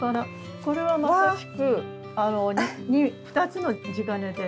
これはまさしく２つの地金で。